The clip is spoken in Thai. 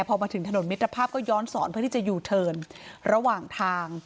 พอมาถึงถนนมิตรภาพก็ย้อนสอนเพื่อที่จะยูเทิร์นระหว่างทาง